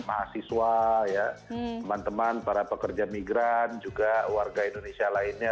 mahasiswa teman teman para pekerja migran juga warga indonesia lainnya